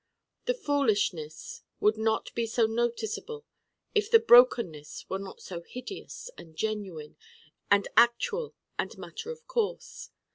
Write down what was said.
The foolishness would not be so noticeable if the Brokenness were not so hideous and genuine and actual and matter of course.